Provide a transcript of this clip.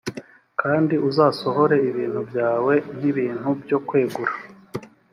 kandi uzasohore ibintu byawe nk ibintu byo kwegura